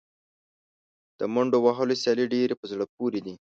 د منډې وهلو سیالۍ ډېرې په زړه پورې دي.